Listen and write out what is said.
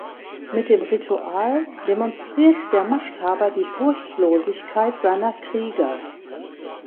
Mit dem Ritual demonstriert der Machthaber die Furchtlosigkeit seiner Krieger.